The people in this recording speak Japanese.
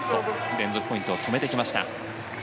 連続ポイントを決めてきました。